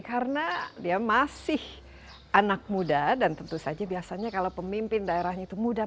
karena dia masih anak muda dan tentu saja biasanya kalau pemimpin daerahnya itu muda